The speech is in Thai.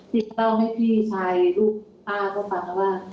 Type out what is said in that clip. ติดต้องให้พี่ชายลูกป้าก็ฟังว่า